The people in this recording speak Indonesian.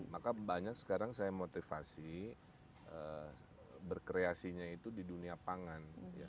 maka banyak sekarang saya motivasi berkreasinya itu di dunia pangan